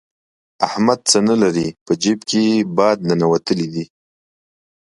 احمد څه نه لري؛ په جېب کې يې باد ننوتلی دی.